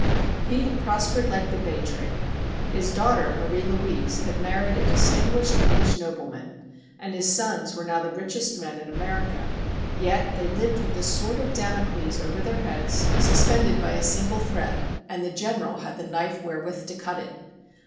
He had prospered like the bay tree. His daughter, Marie Louise, had married a distinguished English nobleman, and his sons were now the richest men in America. Yet they lived with the sword of Damocles over their heads, suspended by a single thread, and the General had the knife wherewith to cut it.